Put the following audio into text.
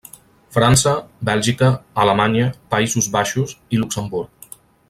França, Bèlgica, Alemanya, Països Baixos i Luxemburg.